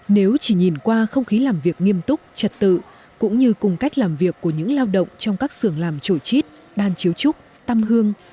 nếu chỉ nhìn qua không khí làm việc nghiêm túc trật tự cũng như cùng cách làm việc của những lao động trong các xưởng làm trội chít đan chiếu trúc tăm hương